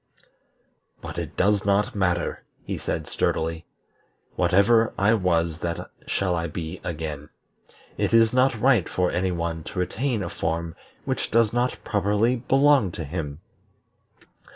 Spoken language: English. "But it does not matter," he said sturdily. "Whatever I was that shall I be again. It is not right for any one to retain a form which does not properly belong to him.